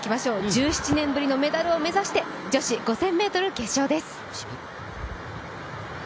１７年ぶりのメダルを目指して女子５０００ｍ決勝です。